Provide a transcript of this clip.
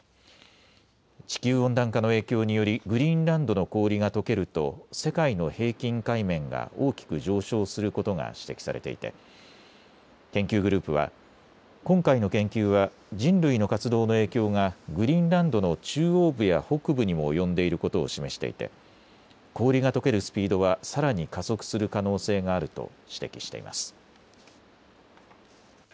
地球温暖化の影響によりグリーンランドの氷が溶けると世界の平均海面が大きく上昇することが指摘されていて研究グループは今回の研究は人類の活動の影響がグリーンランドの中央部や北部にも及んでいることを示していて氷が溶けるスピードはさらに加速する可能性があると指摘しています。